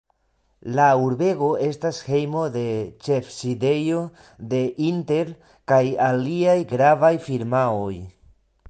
La urbego estas hejmo de ĉefsidejo de Intel kaj aliaj gravaj firmaoj.